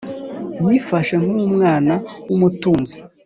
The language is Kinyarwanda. Yifashe nkumwana w’umutunzi